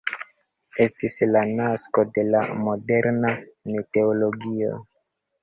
Estis la nasko de la moderna meteologio.